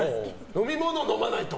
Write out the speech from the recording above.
飲み物は飲まないと。